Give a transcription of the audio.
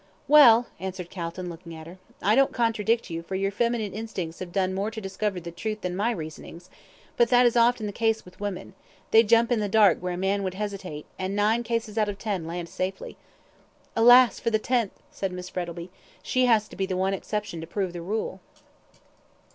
"Well," answered Calton, looking at her, "I don't contradict you, for your feminine instincts have done more to discover the truth than my reasonings; but that is often the case with women they jump in the dark where a man would hesitate, and in nine cases out of ten land safely." "Alas for the tenth!" said Miss Frettlby. "She has to be the one exception to prove the rule."